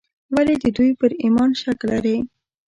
ولې د دوی پر ایمان شک لري.